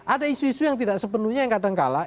ada isu isu yang tidak sepenuhnya yang kadang kalah